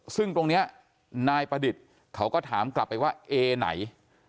ซึ่งตรงนี้นายประดิษฐ์เขาก็ถามกลับไปว่าเอไหน